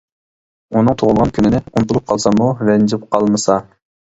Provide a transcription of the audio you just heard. ئۇنىڭ تۇغۇلغان كۈنىنى ئۇنتۇلۇپ قالساممۇ، رەنجىپ قالمىسا.